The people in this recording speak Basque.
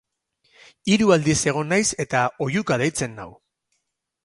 Hiru aldiz egon naiz eta oihuka deitzen nau.